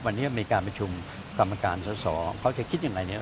วันนี้มีการประชุมกรรมการสอสอเขาจะคิดอย่างไรเนี่ย